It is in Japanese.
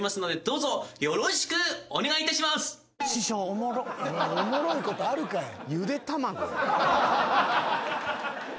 おもろいことあるかい！